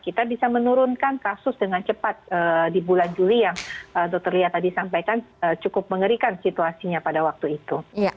kita bisa menurunkan kasus dengan cepat di bulan juli yang dokter lia tadi sampaikan cukup mengerikan situasinya pada waktu itu